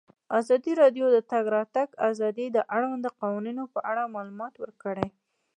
ازادي راډیو د د تګ راتګ ازادي د اړونده قوانینو په اړه معلومات ورکړي.